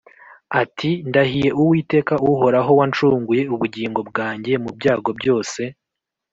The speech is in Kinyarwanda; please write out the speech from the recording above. ati “Ndahiye Uwiteka Uhoraho wacunguye ubugingo bwanjye mu byago byose